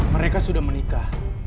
mereka sudah menikah